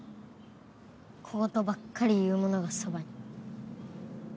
小言ばっかり言う者がそばに。